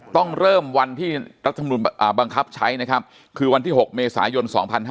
ต้องเริ่มวันที่รัฐมนุนบังคับใช้นะครับคือวันที่๖เมษายน๒๕๕๙